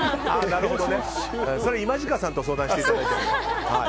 それ、イマジカさんと相談していただいて。